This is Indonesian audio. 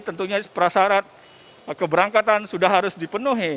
tentunya prasarat keberangkatan sudah harus dipenuhi